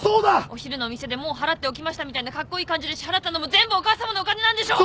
お昼のお店でもう払っておきましたみたいなカッコイイ感じで支払ったのも全部お母さまのお金なんでしょ！